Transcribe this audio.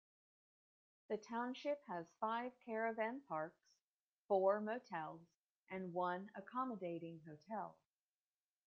The township has five caravan parks, four motels and one accommodating hotel.